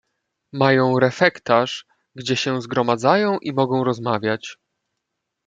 "Mają refektarz, gdzie się zgromadzają i mogą rozmawiać."